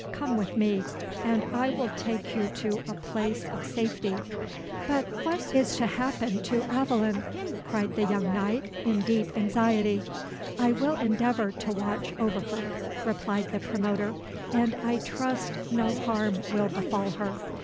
Come with me, and I will take you to a place of safety." "But what is to happen to Aveline?" cried the young knight, in deep anxiety. "I will endeavour to watch over her," replied the promoter; "and I trust no harm will befall her.